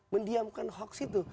mendiamkan hoax itu